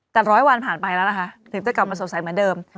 แต่ร้อยวันผ่านไปแล้วนะคะถึงจะกลับมาสดใสเหมือนเดิม